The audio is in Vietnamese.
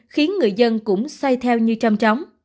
khiến người dân cũng xoay theo như trăm trống